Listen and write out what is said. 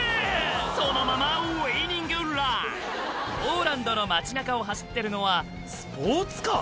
そのままウイニングランポーランドの街中を走ってるのはスポーツカー？